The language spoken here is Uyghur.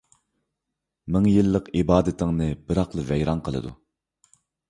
مىڭ يىللىق ئىبادىتىڭنى بىراقلا ۋەيران قىلىدۇ.